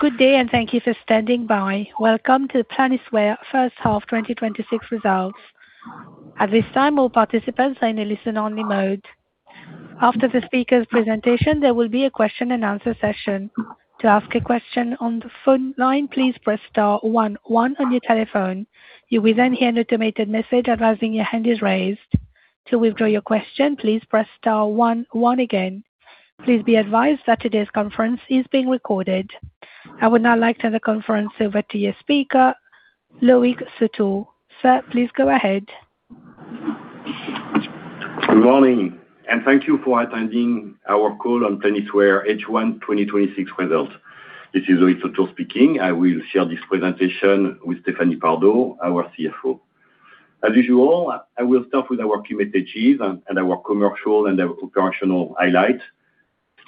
Good day. Thank you for standing by. Welcome to Planisware first half 2026 results. At this time, all participants are in a listen-only mode. After the speaker's presentation, there will be a question and answer session. To ask a question on the phone line, please press star one one on your telephone. You will hear an automated message advising your hand is raised. To withdraw your question, please press star one one again. Please be advised that today's conference is being recorded. I would now like to hand the conference over to your speaker, Loïc Sautour. Sir, please go ahead. Good morning. Thank you for attending our call on Planisware H1 2026 results. This is Loïc Sautour speaking. I will share this presentation with Stéphanie Pardo, our CFO. As usual, I will start with our key messages and our commercial and operational highlights.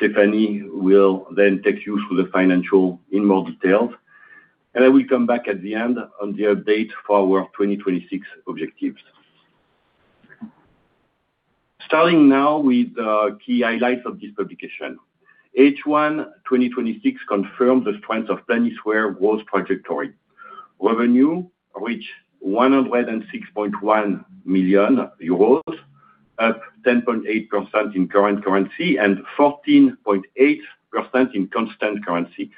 Stéphanie will take you through the financial in more detail. I will come back at the end on the update for our 2026 objectives. Starting now with the key highlights of this publication. H1 2026 confirms the strength of Planisware's growth trajectory. Revenue reached 106.1 million euros, up 10.8% in current currency and 14.8% in constant currency,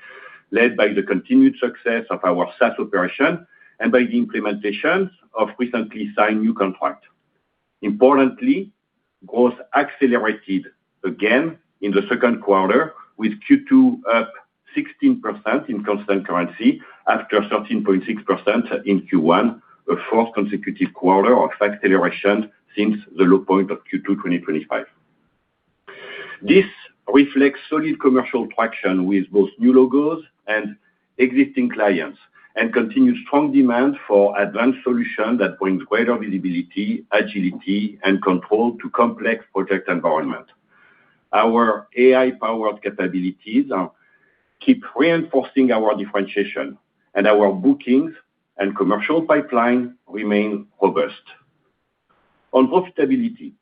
led by the continued success of our SaaS operation and by the implementation of recently signed new contracts. Importantly, growth accelerated again in the second quarter, with Q2 up 16% in constant currency after 13.6% in Q1, a fourth consecutive quarter of acceleration since the low point of Q2 2025. This reflects solid commercial traction with both new logos and existing clients and continued strong demand for advanced solutions that bring greater visibility, agility, and control to complex project environments. Our AI-powered capabilities keep reinforcing our differentiation. Our bookings and commercial pipeline remain robust. On profitability,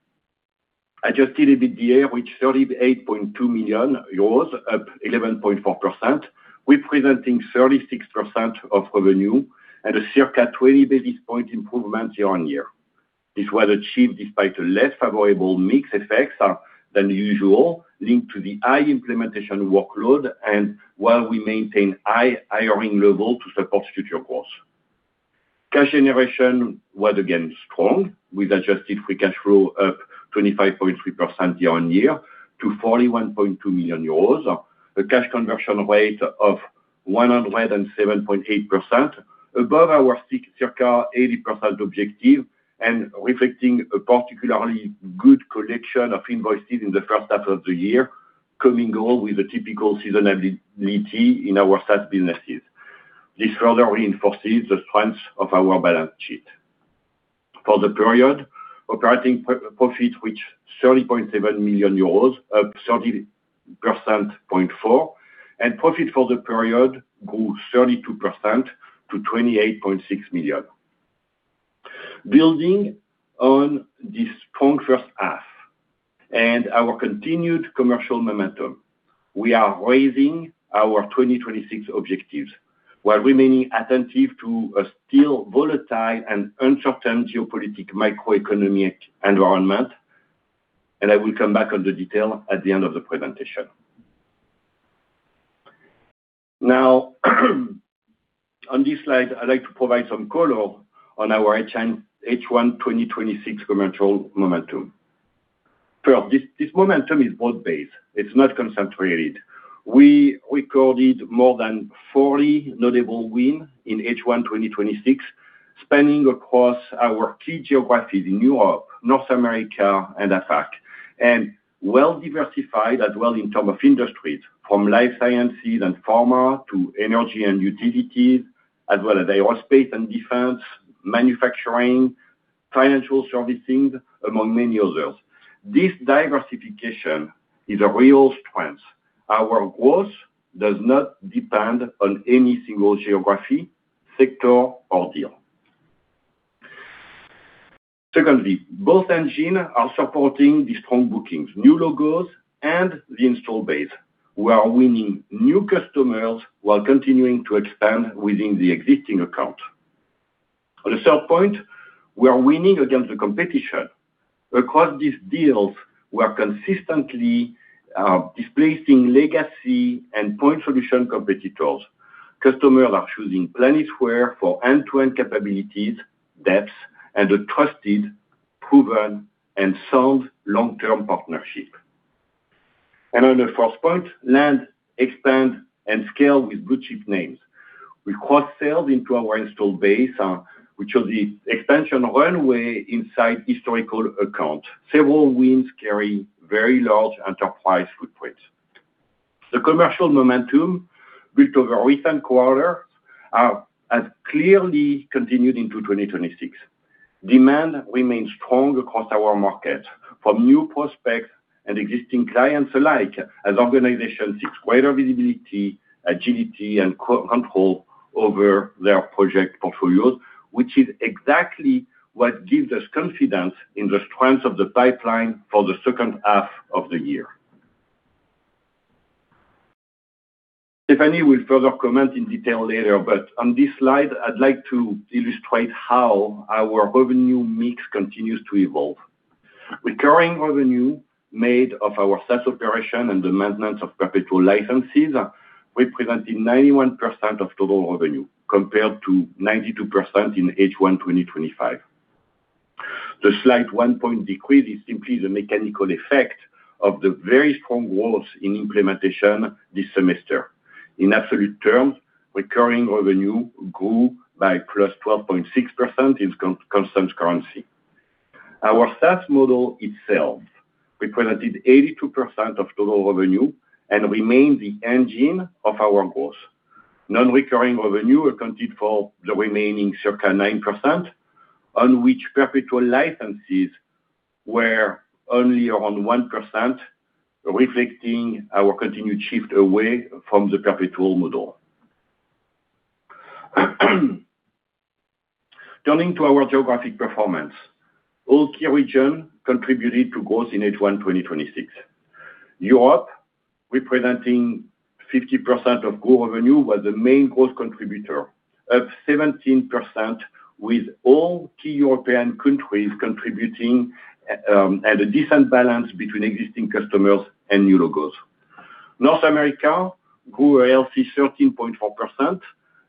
adjusted EBITDA reached 38.2 million euros, up 11.4%, representing 36% of revenue at a circa 20 basis point improvement year-over-year. This was achieved despite less favorable mix effects than usual linked to the high implementation workload and while we maintain high hiring levels to support future growth. Cash generation was again strong, with adjusted free cash flow up 25.3% year-over-year to 41.2 million euros. A Cash Conversion Rate of 107.8%, above our circa 80% objective and reflecting a particularly good collection of invoices in the first half of the year, coming all with the typical seasonality in our SaaS businesses. This further reinforces the strength of our balance sheet. For the period, operating profit reached 30.7 million euros, up 30.4%. Profit for the period grew 32% to 28.6 million. Building on this strong first half and our continued commercial momentum, we are raising our 2026 objectives while remaining attentive to a still volatile and uncertain geopolitical macroeconomic environment. I will come back on the detail at the end of the presentation. Now on this slide, I'd like to provide some color on our H1 2026 commercial momentum. First, this momentum is broad-based. It's not concentrated. We recorded more than 40 notable wins in H1 2026, spanning across our key geographies in Europe, North America, and APAC. Well-diversified as well in terms of industries, from life sciences and pharma to energy and utilities, as well as aerospace and defense, manufacturing, financial servicing, among many others. This diversification is a real strength. Our growth does not depend on any single geography, sector, or deal. Secondly, both engines are supporting the strong bookings, new logos, and the install base. We are winning new customers while continuing to expand within the existing account. The third point, we are winning against the competition. Across these deals, we're consistently displacing legacy and point solution competitors. Customers are choosing Planisware for end-to-end capabilities, depth, and a trusted, proven, and sound long-term partnership. On the fourth point, land, expand, and scale with blue-chip names. We cross-sell into our installed base, which is the expansion runway inside historical accounts. Several wins carry very large enterprise footprints. The commercial momentum built over recent quarters has clearly continued into 2026. Demand remains strong across our markets from new prospects and existing clients alike as organizations seek greater visibility, agility, and control over their project portfolios, which is exactly what gives us confidence in the strength of the pipeline for the second half of the year. Stéphanie will further comment in detail later, but on this slide, I'd like to illustrate how our revenue mix continues to evolve. Recurring revenue made of our SaaS operation and the maintenance of perpetual licenses represented 91% of total revenue, compared to 92% in H1 2025. The slight 1% decrease is simply the mechanical effect of the very strong growth in implementation this semester. In absolute terms, recurring revenue grew by +12.6% in constant currency. Our SaaS model itself represented 82% of total revenue and remains the engine of our growth. Non-recurring revenue accounted for the remaining circa 9%, on which perpetual licenses were only around 1%, reflecting our continued shift away from the perpetual model. Turning to our geographic performance. All key regions contributed to growth in H1 2026. Europe, representing 50% of core revenue, was the main growth contributor, up 17%, with all key European countries contributing, and a decent balance between existing customers and new logos. North America grew a healthy 13.4%,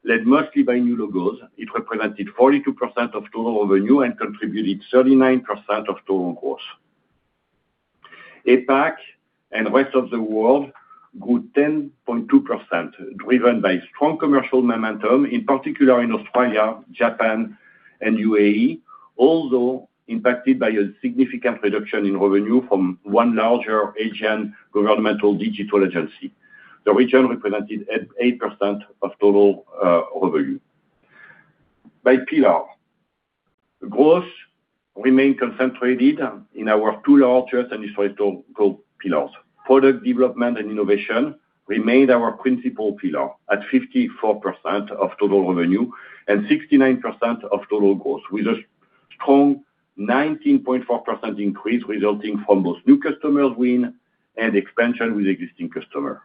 led mostly by new logos. It represented 42% of total revenue and contributed 39% of total growth. APAC and rest of the world grew 10.2%, driven by strong commercial momentum, in particular in Australia, Japan, and UAE, although impacted by a significant reduction in revenue from one larger Asian governmental digital agency. The region represented 8% of total revenue. By pillar. Growth remained concentrated in our two largest industry co-pillars. Product Development & Innovation remained our principal pillar at 54% of total revenue and 69% of total growth, with a strong 19.4% increase resulting from both new customer win and expansion with existing customer.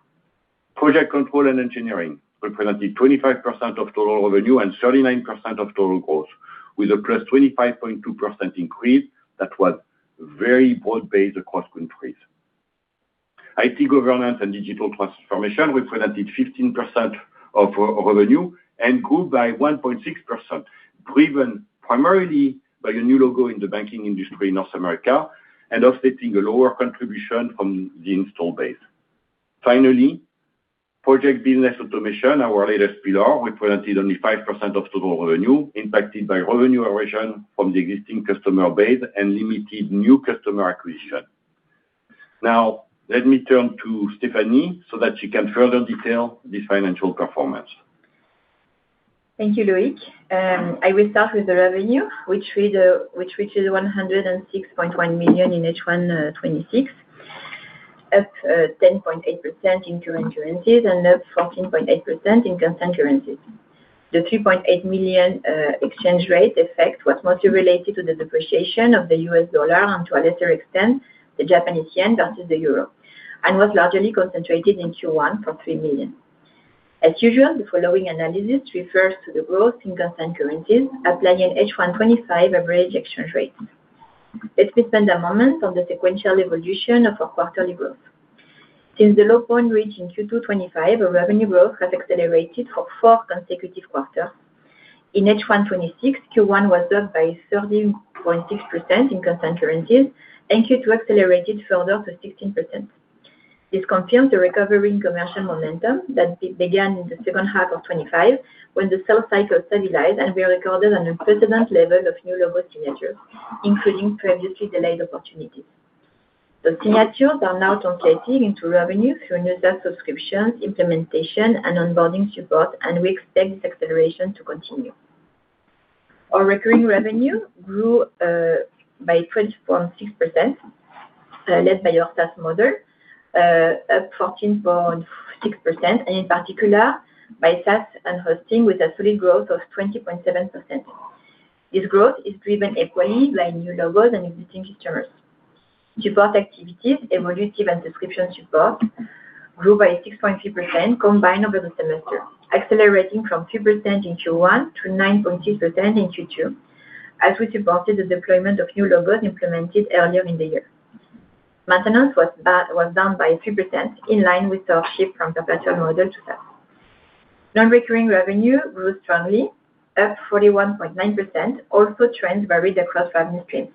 Project Controls & Engineering represented 25% of total revenue and 39% of total growth, with a +25.2% increase that was very broad-based across countries. IT Governance & Digital Transformation represented 15% of revenue and grew by 1.6%, driven primarily by a new logo in the banking industry in North America and offsetting a lower contribution from the installed base. Finally, Project Business Automation, our latest pillar, represented only 5% of total revenue, impacted by revenue erosion from the existing customer base and limited new customer acquisition. Now, let me turn to Stéphanie so that she can further detail this financial performance. Thank you, Loïc. I will start with the revenue, which reaches 106.1 million in H1 2026, up 10.8% in current currencies and up 14.8% in constant currencies. The 3.8 million exchange rate effect was mostly related to the depreciation of the U.S. dollar and, to a lesser extent, the Japanese yen versus the euro, and was largely concentrated in Q1 for 3 million. As usual, the following analysis refers to the growth in constant currencies, applying H1 2025 average exchange rates. Let us spend a moment on the sequential evolution of our quarterly growth. Since the low point reached in Q2 2025, our revenue growth has accelerated for four consecutive quarters. In H1 2026, Q1 was up by 13.6% in constant currencies, and Q2 accelerated further to 16%. This confirms the recovery in commercial momentum that began in the second half of 2025, when the sales cycle stabilized, and we recorded a precedent level of new logo signatures, including previously delayed opportunities. The signatures are now translating into revenue through new desk subscriptions, implementation, and onboarding support, and we expect this acceleration to continue. Our recurring revenue grew by 20.6%, led by our SaaS model, up 14.6%, and in particular by SaaS & Hosting with a solid growth of 20.7%. This growth is driven equally by new logos and existing customers. Support activities, Evolutive and Subscription support, grew by 6.3% combined over the semester, accelerating from 2% in Q1 to 9.2% in Q2, as we supported the deployment of new logos implemented earlier in the year. Maintenance was down by 3%, in line with our shift from perpetual model to SaaS. Non-recurring revenue grew strongly, up 41.9%, although trends varied across revenue streams.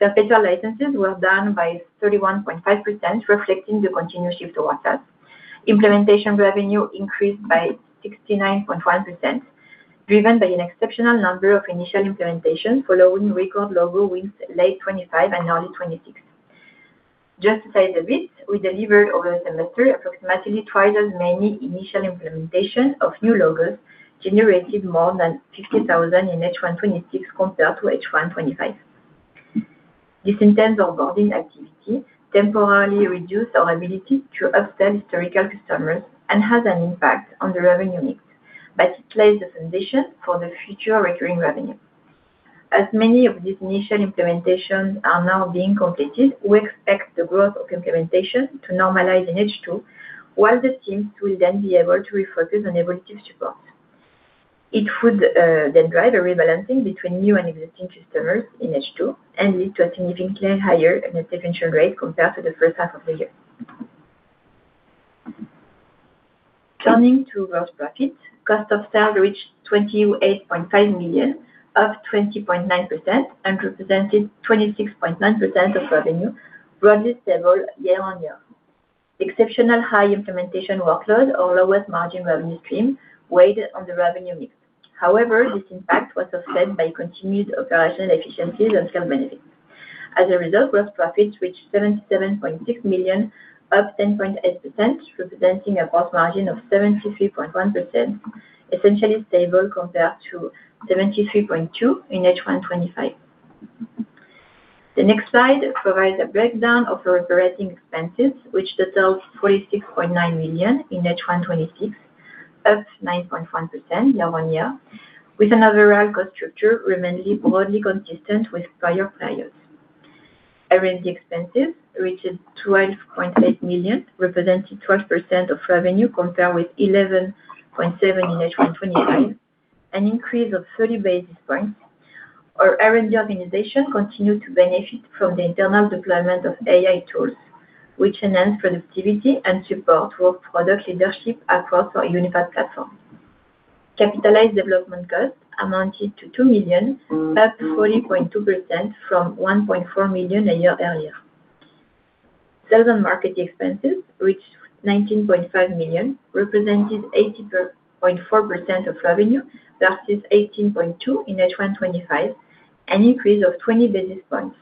Perpetual licenses were down by 31.5%, reflecting the continued shift to our SaaS. Implementation revenue increased by 69.1%, driven by an exceptional number of initial implementations following record logo wins late 2025 and early 2026. Just to say the bit, we delivered over the semester approximately twice as many initial implementations of new logos generated more than 50,000 in H1 2026 compared to H1 2025. This intense onboarding activity temporarily reduced our ability to upsell historical customers and has an impact on the revenue mix, but it lays the foundation for the future recurring revenue. As many of these initial implementations are now being completed, we expect the growth of implementation to normalize in H2, while the teams will then be able to refocus on Evolutive support. It would drive a rebalancing between new and existing customers in H2 and lead to a significantly higher Net Retention Rate compared to the first half of the year. Turning to gross profit, cost of sales reached 28.5 million, up 20.9%, represented 26.9% of revenue, broadly stable year-on-year. Exceptional high implementation workload or lowest margin revenue stream weighed on the revenue mix. However, this impact was offset by continued operational efficiencies and scale benefits. As a result, gross profit reached 77.6 million, up 10.8%, representing a gross margin of 73.1%, essentially stable compared to 73.2% in H1 2025. The next slide provides a breakdown of our operating expenses, which totals 46.9 million in H1 2026, up 9.1% year-on-year, with an overall cost structure remaining broadly consistent with prior periods. R&D expenses reached 12.8 million, representing 12% of revenue compared with 11.7% in H1 2025, an increase of 30 basis points. Our R&D organization continued to benefit from the internal deployment of AI tools, which enhance productivity and support our product leadership across our unified platform. Capitalized development costs amounted to 2 million, up 40.2% from 1.4 million a year earlier. Sales and marketing expenses reached 19.5 million, representing 18.4% of revenue versus 18.2% in H1 2025, an increase of 20 basis points.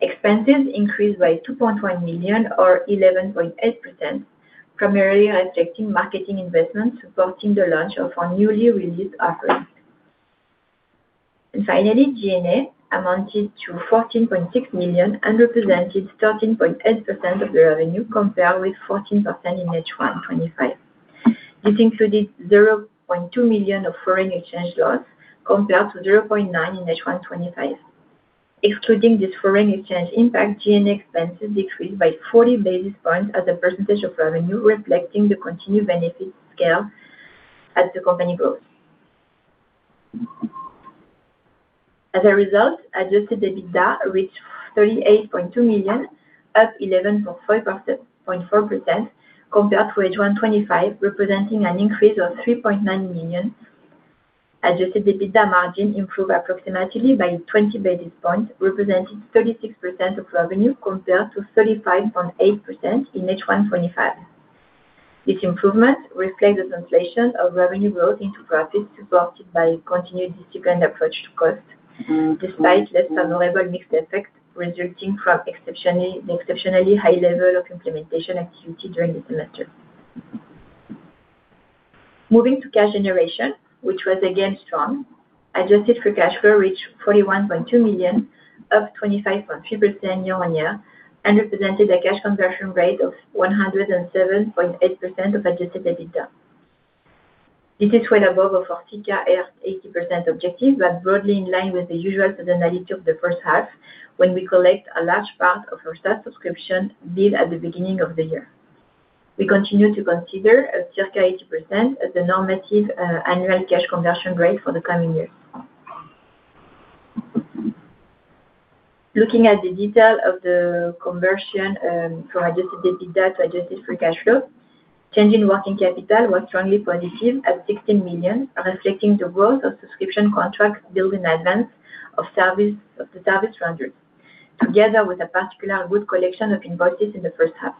Expenses increased by 2.1 million or 11.8%, primarily reflecting marketing investments supporting the launch of our newly released offerings. Finally, G&A amounted to 14.6 million and represented 13.8% of the revenue compared with 14% in H1 2025. This included 0.2 million of foreign exchange loss compared to 0.9 in H1 2025. Excluding this foreign exchange impact, G&A expenses decreased by 40 basis points as a percentage of revenue, reflecting the continued benefit scale as the company grows. As a result, adjusted EBITDA reached 38.2 million, up 11.4% compared to H1 2025, representing an increase of 3.9 million. Adjusted EBITDA margin improved approximately by 20 basis points, representing 36% of revenue compared to 35.8% in H1 2025. This improvement reflects the translation of revenue growth into profits, supported by a continued disciplined approach to cost, despite less favorable mix effects resulting from the exceptionally high level of implementation activity during the term. Moving to cash generation, which was again strong. Adjusted free cash flow reached 41.2 million, up 25.3% year-on-year, represented a Cash Conversion Rate of 107.8% of adjusted EBITDA. This is well above our circa 80% objective, broadly in line with the usual seasonality of the first half, when we collect a large part of our SaaS subscription bill at the beginning of the year. We continue to consider a circa 80% as the normative annual Cash Conversion Rate for the coming years. Looking at the detail of the conversion from adjusted EBITDA to adjusted free cash flow, change in working capital was strongly positive at 16 million, reflecting the growth of subscription contracts billed in advance of the service rendered, together with a particular good collection of invoices in the first half.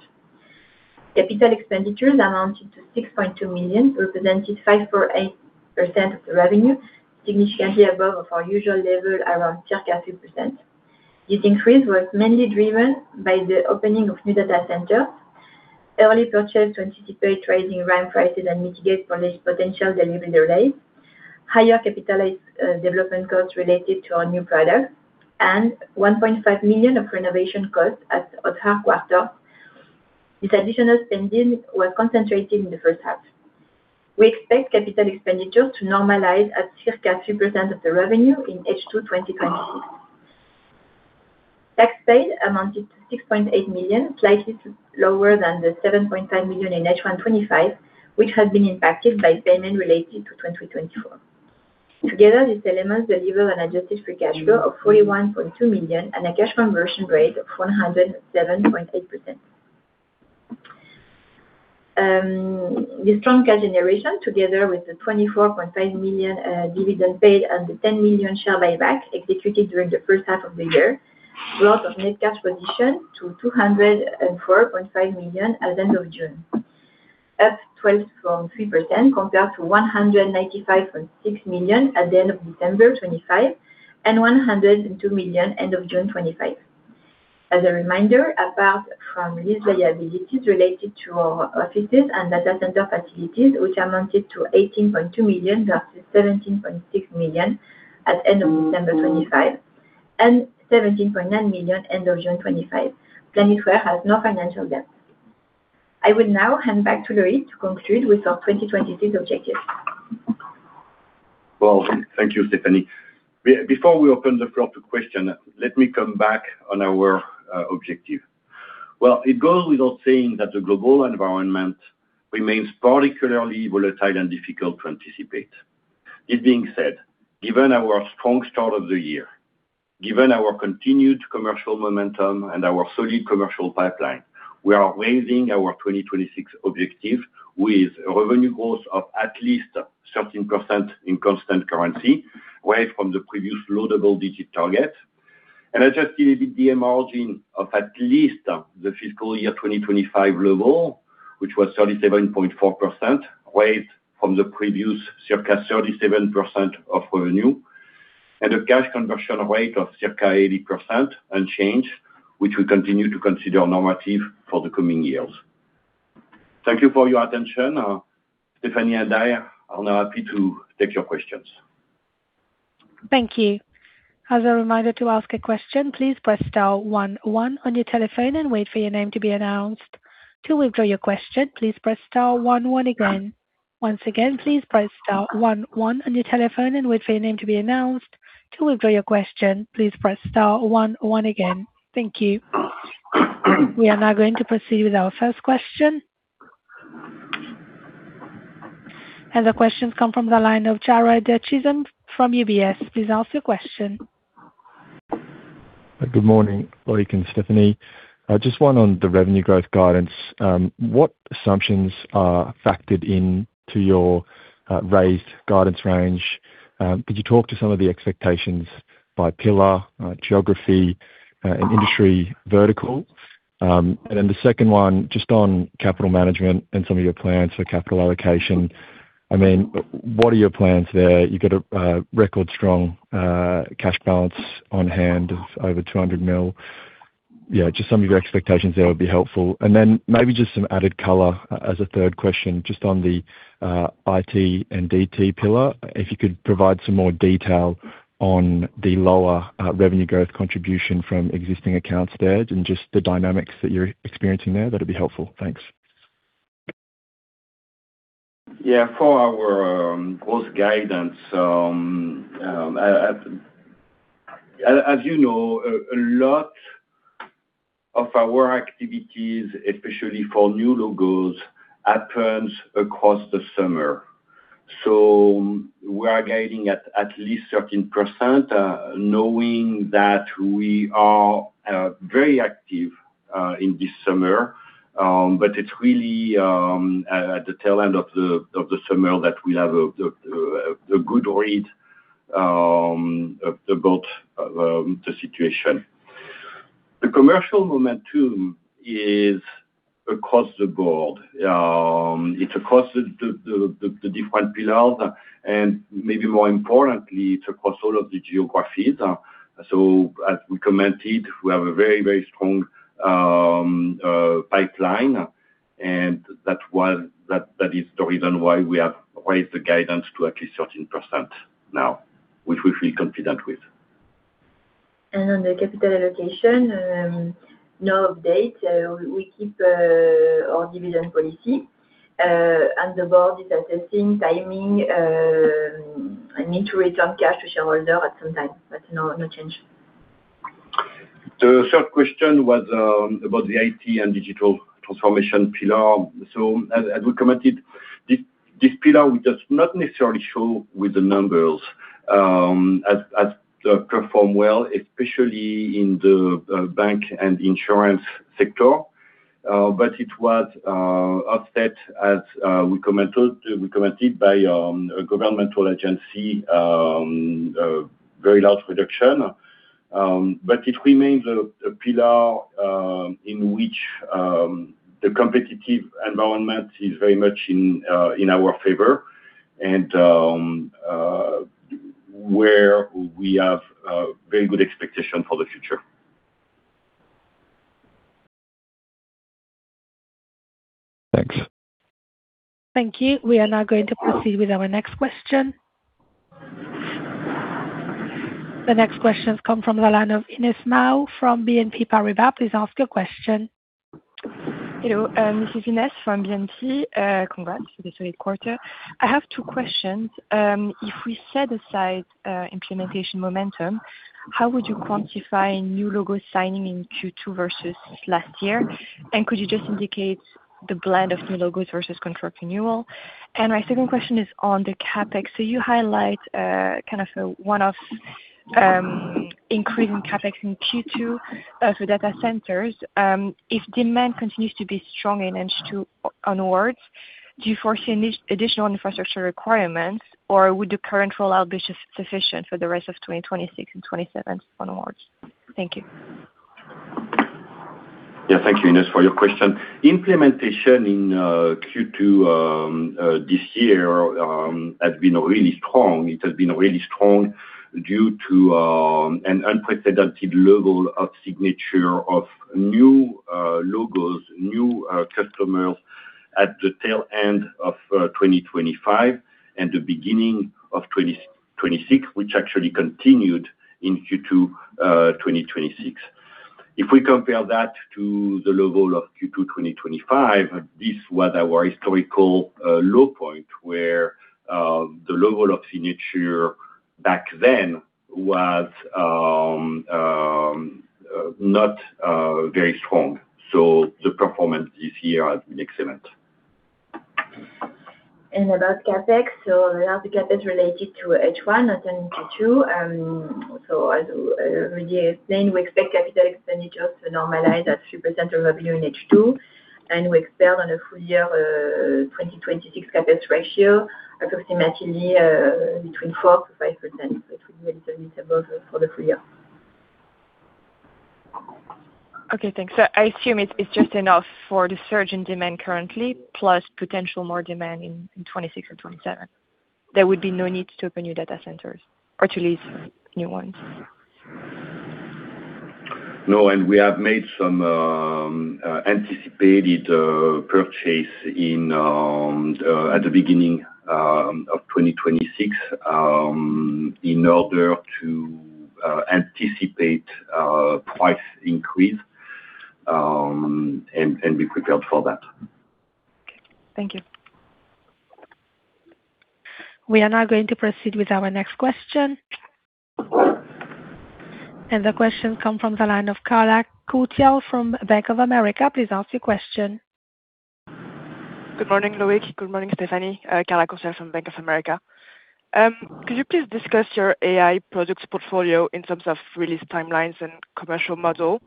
Capital expenditures amounted to 6.2 million, represented 5.8% of the revenue, significantly above our usual level around circa 2%. This increase was mainly driven by the opening of new data centers, early purchase to anticipate rising RAM prices and mitigate potential delivery delays, higher capitalized development costs related to our new product, and 1.5 million of renovation costs at our quarter. These additional spending were concentrated in the first half. We expect capital expenditure to normalize at circa 3% of the revenue in H2 2026. Tax paid amounted to 6.8 million, slightly lower than the 7.5 million in H1 2025, which has been impacted by payment related to 2024. Together, these elements deliver an adjusted free cash flow of 41.2 million and a cash conversion rate of 107.8%. The strong cash generation, together with the 24.5 million dividend paid and the 10 million share buyback executed during the first half of the year, growth of net cash position to 204.5 million at the end of June, up 12.3% compared to 195.6 million at the end of December 2025 and 102 million end of June 2025. As a reminder, apart from lease liabilities related to our offices and data center facilities, which amounted to 18.2 million versus 17.6 million at end of December 2025 and 17.9 million end of June 2025, Planisware has no financial debt. I will now hand back to Loïc to conclude with our 2026 objectives. Well, thank you, Stéphanie. Before we open the floor to question, let me come back on our objective. Well, it goes without saying that the global environment remains particularly volatile and difficult to anticipate. This being said, given our strong start of the year, given our continued commercial momentum and our solid commercial pipeline, we are raising our 2026 objective with revenue growth of at least 13% in constant currency away from the previous low double-digit target. Adjusted EBITDA margin of at least the fiscal year 2025 level, which was 37.4% raised from the previous circa 37% of revenue, and a cash conversion rate of circa 80% unchanged, which we continue to consider normative for the coming years. Thank you for your attention. Stéphanie and I are now happy to take your questions. Thank you. As a reminder, to ask a question, please press star one one on your telephone and wait for your name to be announced. To withdraw your question, please press star one one again. Once again, please press star one one on your telephone and wait for your name to be announced. To withdraw your question, please press star one one again. Thank you. We are now going to proceed with our first question. The questions come from the line of Jarrod Chisholm from UBS. Please ask your question. Good morning, Loïc and Stéphanie. Just one on the revenue growth guidance. What assumptions are factored into your raised guidance range? Could you talk to some of the expectations by pillar, geography, and industry vertical? The second one, on capital management and some of your plans for capital allocation. What are your plans there? You have a record strong cash balance on hand of over 200 million. Some of your expectations there would be helpful. Maybe some added color as a third question, on the IT and DT pillar. If you could provide some more detail on the lower revenue growth contribution from existing accounts there and the dynamics that you are experiencing there, that would be helpful. Thanks. For our growth guidance, as you know, a lot of our activities, especially for new logos, happens across the summer. We are guiding at least 13%, knowing that we are very active in this summer. It is really at the tail end of the summer that we have a good read about the situation. The commercial momentum is across the board. It is across the different pillars and maybe more importantly, it is across all of the geographies. As we commented, we have a very strong pipeline, and that is the reason why we have raised the guidance to at least 13% now, which we feel confident with. On the capital allocation, no update. We keep our dividend policy. The board is assessing timing, a need to return cash to shareholder at some time, no change. The third question was about the IT and Digital Transformation pillar. As we commented, this pillar does not necessarily show with the numbers as performed well, especially in the bank and insurance sector. It was offset, as we commented, by a governmental agency, a very large reduction. It remains a pillar in which the competitive environment is very much in our favor and where we have a very good expectation for the future. Thanks. Thank you. We are now going to proceed with our next question. The next questions come from the line of Inès Mao from BNP Paribas. Please ask your question. Hello. This is Inès from BNP. Congrats for this great quarter. I have two questions. If we set aside implementation momentum, how would you quantify new logo signing in Q2 versus last year? Could you just indicate the blend of new logos versus contract renewal? My second question is on the CapEx. You highlight kind of a one-off increase in CapEx in Q2 for data centers. If demand continues to be strong in H2 onwards, do you foresee additional infrastructure requirements, or would the current rollout be sufficient for the rest of 2026 and 2027 onwards? Thank you. Thank you, Inès, for your question. Implementation in Q2 this year has been really strong. It has been really strong due to an unprecedented level of signature of new logos, new customers at the tail end of 2025 and the beginning of 2026, which actually continued in Q2 2026. If we compare that to the level of Q2 2025, this was our historical low point, where the level of signature back then was not very strong. The performance this year has been excellent. About CapEx, we have the CapEx related to H1 and H2. As Loïc explained, we expect capital expenditures to normalize at 3% of revenue in H2. We expect on a full year 2026 CapEx ratio approximately between 4%-5%, which will be a little bit above that for the full year. Okay, thanks. I assume it's just enough for the surge in demand currently, plus potential more demand in 2026 and 2027. There would be no need to open new data centers or to lease new ones. No, we have made some anticipated purchase at the beginning of 2026, in order to anticipate price increase, and be prepared for that. Okay. Thank you. We are now going to proceed with our next question. The question come from the line of Carla Courthial from Bank of America. Please ask your question. Good morning, Loïc. Good morning, Stéphanie. Carla Courthial from Bank of America. Could you please discuss your AI products portfolio in terms of release timelines and commercial model?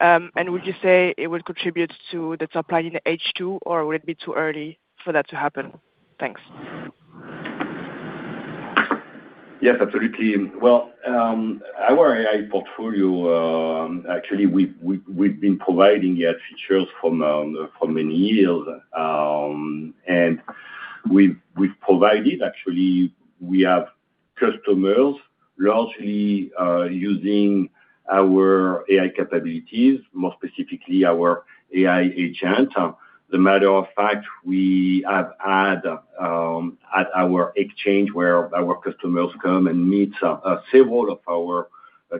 Would you say it will contribute to the top line in H2, or will it be too early for that to happen? Thanks. Yes, absolutely. Well, our AI portfolio, actually, we've been providing AI features for many years. We've provided, actually, we have customers largely using our AI capabilities, more specifically our AI agent. As a matter of fact, we have had at our Exchange where our customers come and meet several of our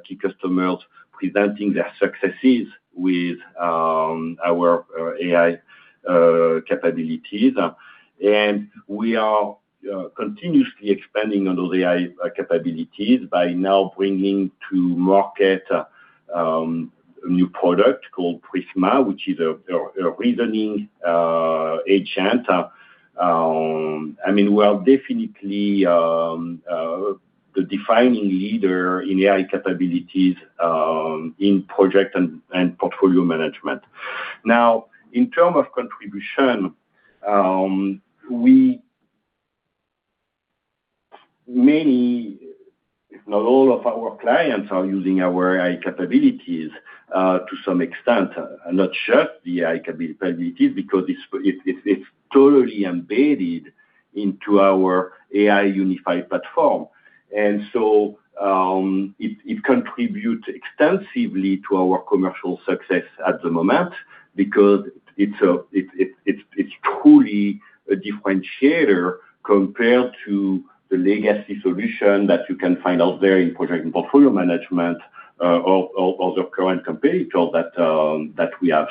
key customers presenting their successes with our AI capabilities. We are continuously expanding on those AI capabilities by now bringing to market a new product called Prisma, which is a reasoning agent. We're definitely the defining leader in AI capabilities in project and portfolio management. In terms of contribution, many if not all of our clients are using our AI capabilities to some extent. Not just the AI capabilities, because it's totally embedded into our AI unified platform. It contributes extensively to our commercial success at the moment because it's truly a differentiator compared to the legacy solution that you can find out there in project and portfolio management of the current competitor that we have.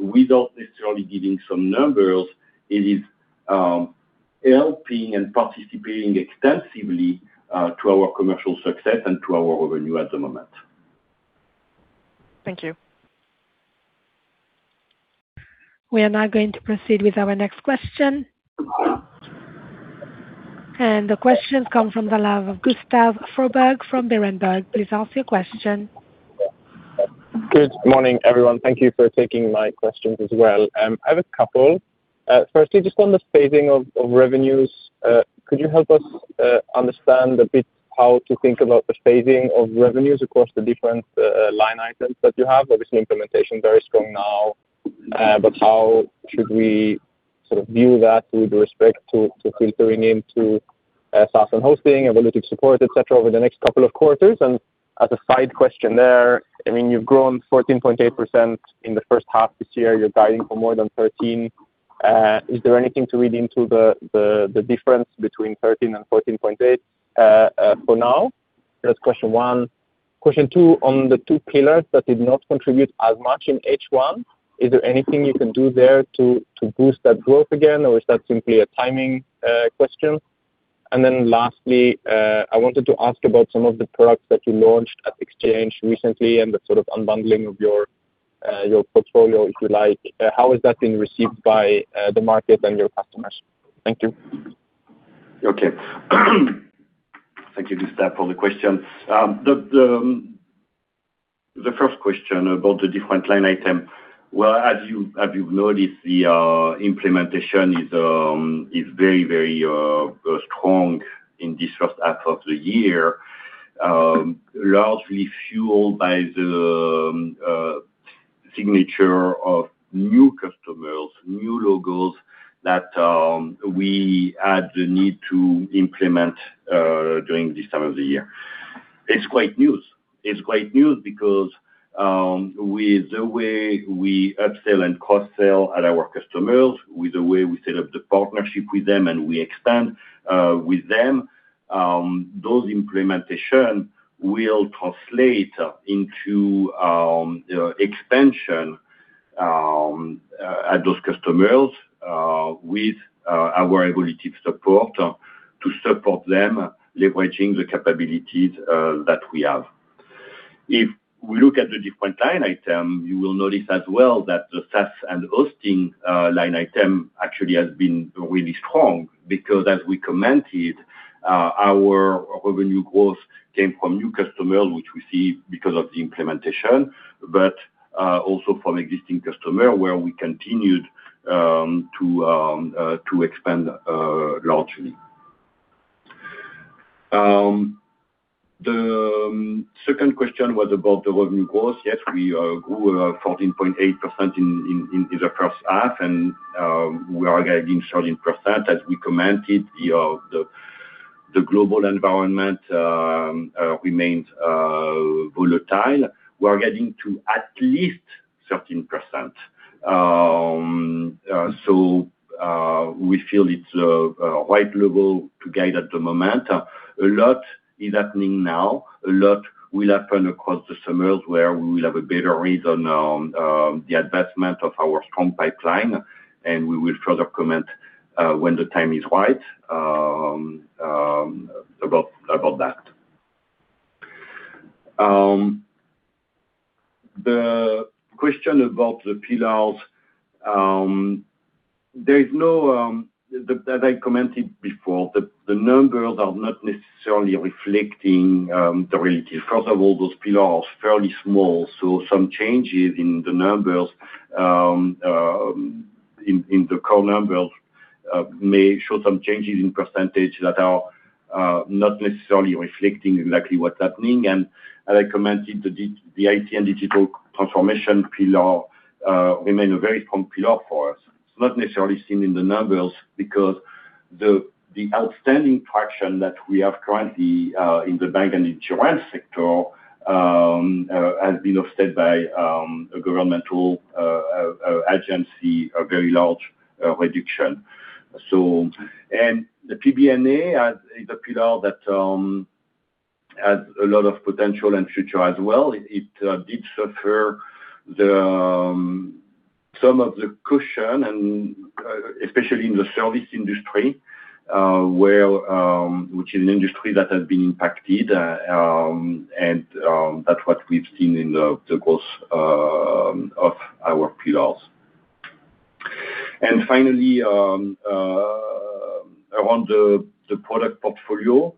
Without necessarily giving some numbers, it is helping and participating extensively to our commercial success and to our revenue at the moment. Thank you. We are now going to proceed with our next question. The question comes from the line of Gustav Froberg from Berenberg. Please ask your question. Good morning, everyone. Thank you for taking my questions as well. I have a couple. Firstly, just on the phasing of revenues, could you help us understand a bit how to think about the phasing of revenues across the different line items that you have? Obviously, implementation very strong now, but how should we sort of view that with respect to filtering into SaaS & Hosting, analytic support, et cetera, over the next couple of quarters? As a side question there, you've grown 14.8% in the first half this year. You're guiding for more than 13%. Is there anything to read into the difference between 13% and 14.8% for now? That's question one. Question two, on the two pillars that did not contribute as much in H1, is there anything you can do there to boost that growth again, or is that simply a timing question? Lastly, I wanted to ask about some of the products that you launched at Exchange recently and the sort of unbundling of your portfolio, if you like. How has that been received by the market and your customers? Thank you. Okay. Thank you, Gustav, for the question. The first question about the different line item. Well, as you've noticed, the implementation is very strong in this first half of the year. Largely fueled by the signature of new customers, new logos that we had the need to implement during this time of the year. It's great news. It's great news because with the way we upsell and cross-sell at our customers, with the way we set up the partnership with them, and we expand with them, those implementation will translate into expansion at those customers with our ability to support them leveraging the capabilities that we have. If we look at the different line item, you will notice as well that the SaaS and Hosting line item actually has been really strong because as we commented, our revenue growth came from new customer, which we see because of the implementation, but also from existing customer where we continued to expand largely. The second question was about the revenue growth. Yes, we grew 14.8% in the first half, and we are guiding 13% as we commented. The global environment remains volatile. We're guiding to at least 13%. We feel it's a right level to guide at the moment. A lot is happening now. A lot will happen across the summers where we will have a better read on the advancement of our strong pipeline, and we will further comment when the time is right about that. The question about the pillars, as I commented before, the numbers are not necessarily reflecting the reality. First of all, those pillars fairly small. Some changes in the numbers, in the core numbers may show some changes in percentage that are not necessarily reflecting exactly what's happening. As I commented, the IT and Digital Transformation pillar remain a very strong pillar for us. It's not necessarily seen in the numbers because the outstanding traction that we have currently, in the bank and insurance sector, has been offset by a governmental agency, a very large reduction. The PBA is a pillar that has a lot of potential and future as well. It did suffer some of the cushion and especially in the service industry, which is an industry that has been impacted, and that's what we've seen in the growth of our pillars. Finally, around the product portfolio.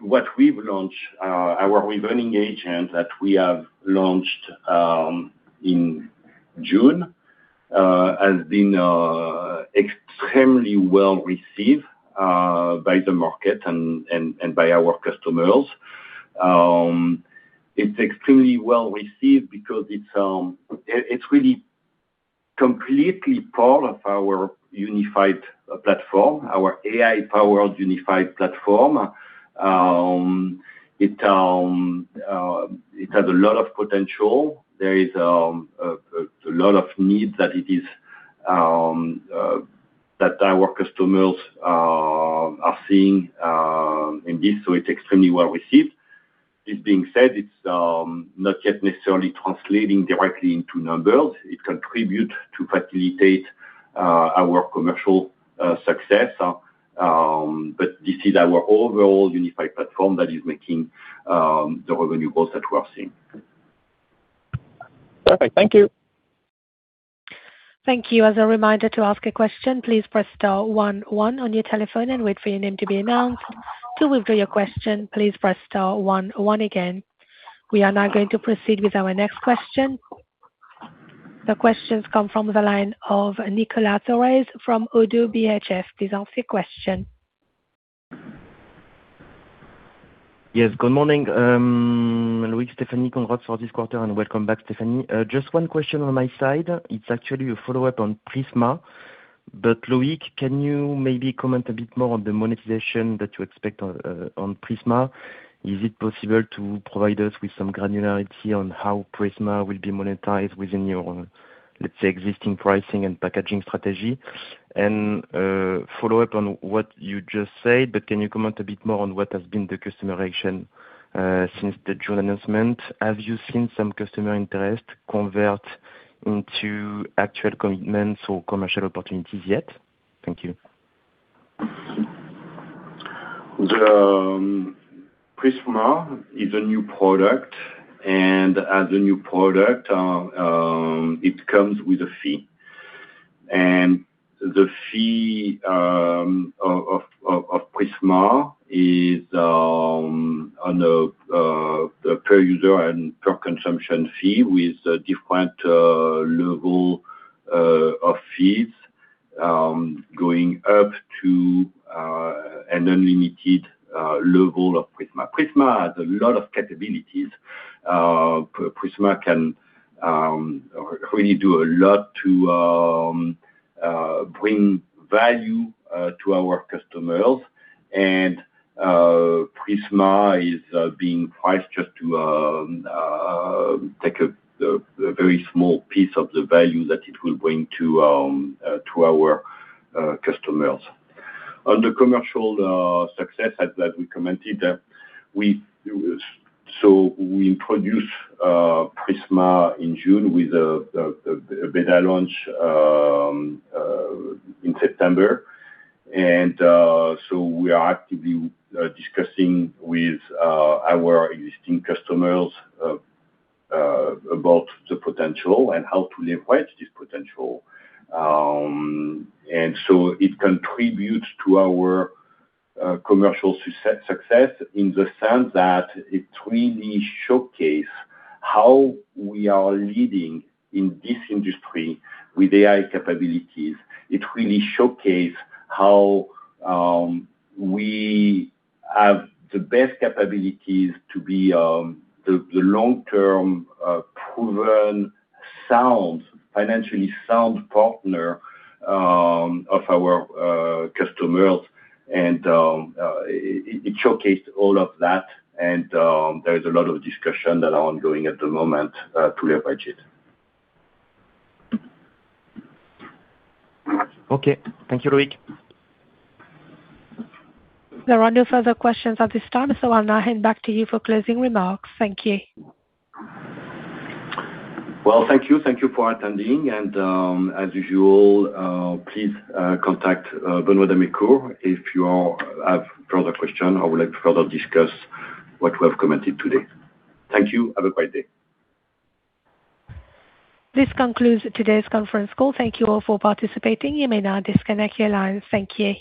What we've launched, our reasoning agent that we have launched in June, has been extremely well-received by the market and by our customers. It's extremely well-received because it's really completely part of our unified platform, our AI-powered unified platform. It has a lot of potential. There is a lot of need that our customers are seeing. This was extremely well-received. It being said, it's not yet necessarily translating directly into numbers. It contribute to facilitate our commercial success. This is our overall unified platform that is making the revenue growth that we are seeing. Perfect. Thank you. Thank you. As a reminder to ask a question, please press star one one on your telephone and wait for your name to be announced. To withdraw your question, please press star one one again. We are now going to proceed with our next question. The questions come from the line of Nicolas Thorez from ODDO BHF. Please ask your question. Yes. Good morning, Loïc, Stéphanie. Congrats for this quarter and welcome back, Stéphanie. Just one question on my side. It is actually a follow-up on Prisma. Loïc, can you maybe comment a bit more on the monetization that you expect on Prisma? Is it possible to provide us with some granularity on how Prisma will be monetized within your, let's say, existing pricing and packaging strategy? Follow up on what you just said, but can you comment a bit more on what has been the customer action since the June announcement? Have you seen some customer interest convert into actual commitments or commercial opportunities yet? Thank you. Prisma is a new product, and as a new product, it comes with a fee. The fee of Prisma is on a per user and per consumption fee with different level of fees, going up to an unlimited level of Prisma. Prisma has a lot of capabilities. Prisma can really do a lot to bring value to our customers. Prisma is being priced just to take a very small piece of the value that it will bring to our customers. On the commercial success that we commented, we introduced Prisma in June with the beta launch in September. We are actively discussing with our existing customers about the potential and how to leverage this potential. It contributes to our commercial success in the sense that it really showcase how we are leading in this industry with AI capabilities. It really showcase how we have the best capabilities to be the long-term, proven, financially sound partner of our customers. It showcased all of that, and there is a lot of discussion that are ongoing at the moment to leverage it. Okay. Thank you, Loïc. There are no further questions at this time. I'll now hand back to you for closing remarks. Thank you. Well, thank you. Thank you for attending. As usual, please contact Benoit d'Amécourt if you have further question or would like to further discuss what we have commented today. Thank you. Have a great day. This concludes today's conference call. Thank you all for participating. You may now disconnect your lines. Thank you.